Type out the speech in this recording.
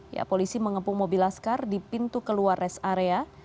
ya polisi mengepung mobil laskar di pintu keluar res area